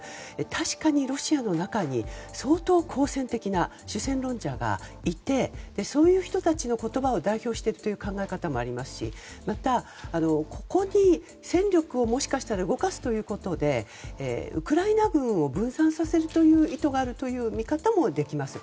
確かにロシアの中に相当、好戦的な人たちがいてそういう人たちの言葉を代表していくという考え方もありますしまた、ここに戦力をもしかしたら動かすということでウクライナ軍を分散させる意図があるという見方もできます。